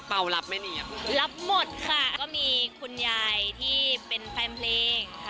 เปร่ารับไม่เหนียบรับหมดค่ะก็มีคุณยายที่เป็นแฟนเพลงค่ะ